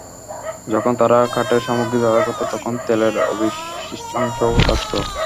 যখন তারা কাঠের সামগ্রী ব্যবহার করত, তখন তেলের অবশিষ্টাংশও থাকত।